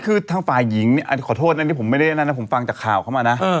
คือทางฝ่ายหญิงเนี่ยขอโทษนะนี่ผมไม่ได้นั่นนะผมฟังจากข่าวเข้ามานะ